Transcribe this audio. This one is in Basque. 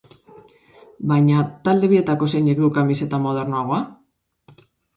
Baina, talde bietako zeinek du kamiseta modernoagoa?